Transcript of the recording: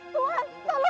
jangan inform suara